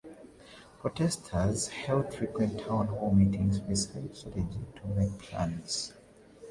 Protesters held frequent town hall meetings to decide strategy and make plans.